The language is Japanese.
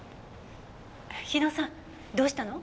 日野さんどうしたの？